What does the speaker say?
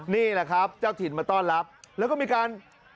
นี่แหละครับเจ้าถิ่นมาต้อนรับแล้วก็มีการ